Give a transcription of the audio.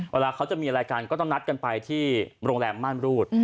เวลาเขาจะมีอะไรกันก็ต้องนัดกันไปที่โรงแรมม่านรูด